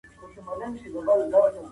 د فابریکو پرمختګ د هر چا د پام وړ دی.